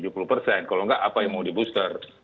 kalau enggak apa yang mau di booster